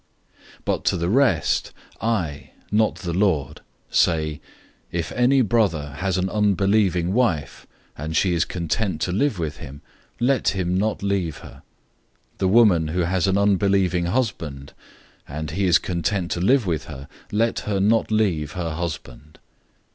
007:012 But to the rest I not the Lord say, if any brother has an unbelieving wife, and she is content to live with him, let him not leave her. 007:013 The woman who has an unbelieving husband, and he is content to live with her, let her not leave her husband.